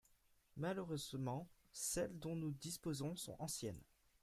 Malheureusement celles dont nous disposons sont anciennes.